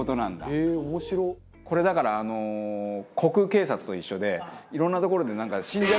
これだからあのコク警察と一緒でいろんな所でなんか新じゃがを。